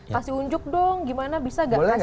kasih unjuk dong gimana bisa gak kasih tipsnya